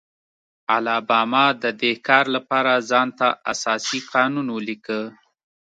الاباما د دې کار لپاره ځان ته اساسي قانون ولیکه.